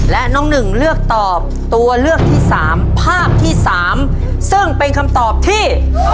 และน้องหนึ่งเลือกตอบตัวเลือกที่สามภาพที่สามซึ่งเป็นคำตอบที่